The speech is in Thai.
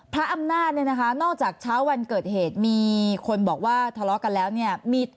พระอำนาจเนี่ยนะคะนอกจากเช้าวันเกิดเหตุมีคนบอกว่าทะเลาะกันแล้วเนี่ย